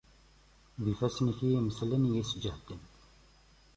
D ifassen-ik i y-imeslen, i y-isseǧhaden.